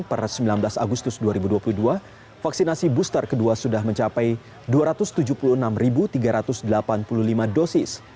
per sembilan belas agustus dua ribu dua puluh dua vaksinasi booster kedua sudah mencapai dua ratus tujuh puluh enam tiga ratus delapan puluh lima dosis